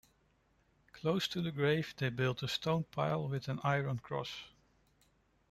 Close to the grave they built a stone pile with an iron cross.